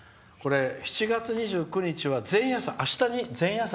７月２９日は前夜祭。